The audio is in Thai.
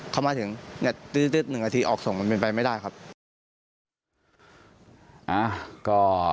เข้ามาถึงตื๊ด๑นาทีออกส่งมันเป็นไปไม่ได้ครับ